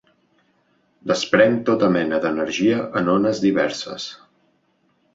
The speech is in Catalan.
Desprenc tota mena d'energia en ones diverses.